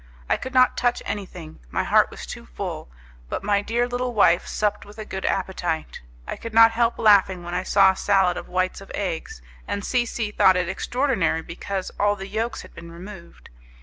I could not touch anything, my heart was too full, but my dear little wife supped with a good appetite. I could not help laughing when I saw a salad of whites of eggs, and C C thought it extraordinary because all the yolks had been removed.